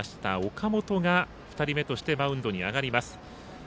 岡本が２人目としてマウンドに上がります。